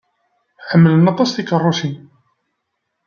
Ḥemmlen aṭas tikeṛṛusin.